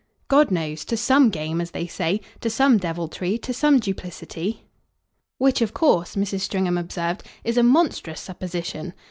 "God knows. To some 'game,' as they say. To some deviltry. To some duplicity." "Which of course," Mrs. Stringham observed, "is a monstrous supposition."